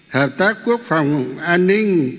hợp tác quốc phòng an ninh